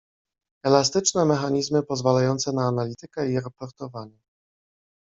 Elastyczne mechanizmy pozwalające na analitykę i raportowanie